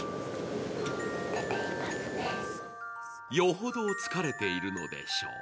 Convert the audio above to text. よほど疲れているのでしょう。